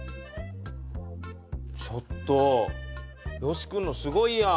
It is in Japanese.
ちょっとよし君のすごいやん。